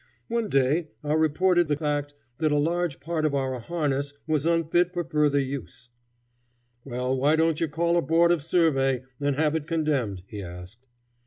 One day I reported the fact that a large part of our harness was unfit for further use. "Well, why don't you call a board of survey and have it condemned?" he asked.